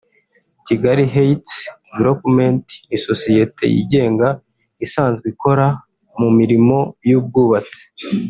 Kigali Heights Development ni sosiyete yigenga isanzwe ikora mu mirimo y’ubwubatsi